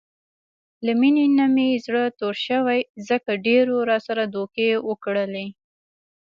له مینې نه مې زړه تور شوی، ځکه ډېرو راسره دوکې وکړلې.